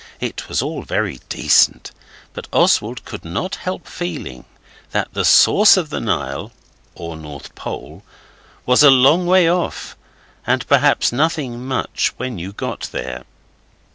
It was all very decent, but Oswald could not help feeling that the source of the Nile (or North Pole) was a long way off, and perhaps nothing much when you got there.